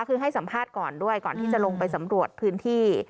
คือให้สัมภาษณ์ก่อนด้วยก่อนที่จะลงไปสำรวจพื้นที่